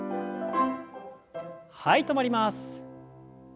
はい止まります。